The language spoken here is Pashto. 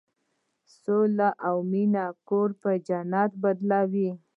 سوله او مینه کور په جنت بدلوي.